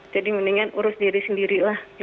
jadi mendingan urus diri sendiri